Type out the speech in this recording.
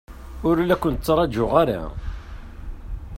Ur la ken-ttṛajuɣ ara.